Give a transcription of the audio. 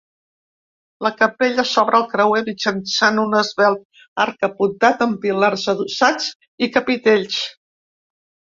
La capella s'obre al creuer mitjançant un esvelt arc apuntat amb pilars adossats i capitells.